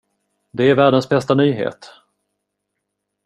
Det är världens bästa nyhet!